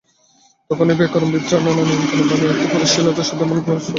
তখন ব্যাকরণবিদেরা নানা নিয়মকানুন বানিয়ে একটি পরিশীলিত শুদ্ধ মান ভাষা তৈরি করলেন।